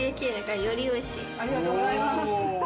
ありがとうございます。